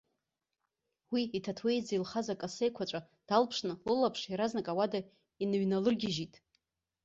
Уи иҭаҭуеиӡа илхаз акасы еиқәаҵәа далԥшны лылаԥш иаразнак ауада иныҩналыргьежьит.